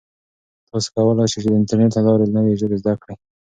تاسو کولای شئ چې د انټرنیټ له لارې نوې ژبې زده کړئ.